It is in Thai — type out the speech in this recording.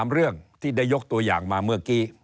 เรื่องที่ได้ยกตัวอย่างมาเมื่อกี้